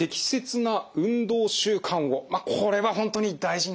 まあこれは本当に大事になりそうですね。